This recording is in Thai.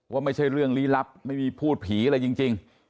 ว่าไม่ใช่เรื่องลี้ลับไม่มีพูดผีอะไรจริง